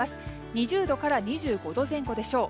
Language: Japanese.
２０度から２５度前後でしょう。